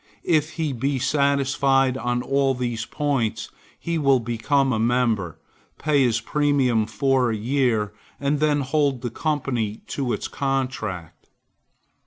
If he be satisfied on all these points, he will become a member, pay his premium for a year, and then hold the company to its contract.